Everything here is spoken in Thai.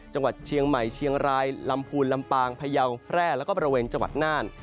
จังหวัดเชียงใหม่เชียงรายลำพูนลำปางพยาวแพร่แล้วก็บริเวณจังหวัดน่าน